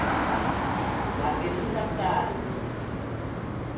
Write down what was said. Margherita Salvi